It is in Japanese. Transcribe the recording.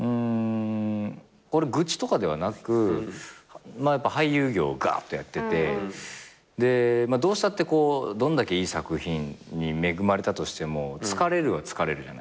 これ愚痴とかではなく俳優業をがーっとやっててどうしたってこうどんだけいい作品に恵まれたとしても疲れるは疲れるじゃないですか。